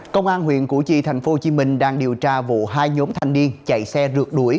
công an huyện củ chi tp hcm đang điều tra vụ hai nhóm thanh niên chạy xe rượt đuổi